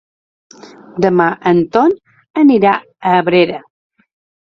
Demà en Ton anirà a Abrera.